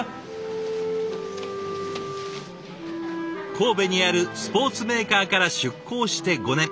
神戸にあるスポーツメーカーから出向して５年。